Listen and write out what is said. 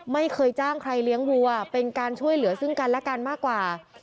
ไม่เคยจ้างใครเลี้ยงวัวเป็นการช่วยเหลือซึ่งกันและกันมากกว่า